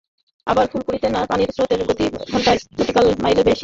আবার কর্ণফুলীতে পানির স্রোতের গতি গড়ে ঘণ্টায় চার নটিক্যাল মাইলের বেশি।